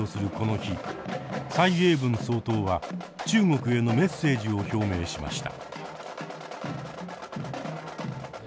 蔡英文総統は中国へのメッセージを表明しました。